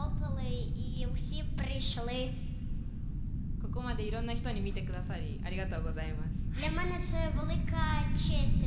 ここまでいろんな人に見てくださり、ありがとうございます。